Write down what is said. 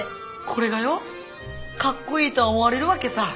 これがよ格好いいと思われるわけさ。